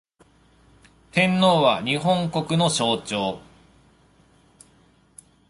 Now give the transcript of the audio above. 天皇は、日本国の象徴